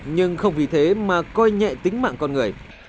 nhưng không vì thế mà coi nhẹ tính mạng con người